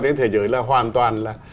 trên thế giới là hoàn toàn